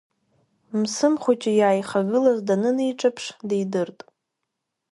Мсым Хәыҷы иааихагылаз даныниҿаԥш дидырт.